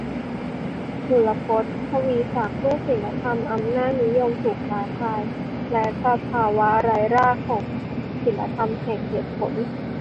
สุรพศ ทวีศักดิ์ "เมื่อศีลธรรมอำนาจนิยมถูกท้าทาย และสภาวะไร้รากของศีลธรรมแห่งเหตุผล "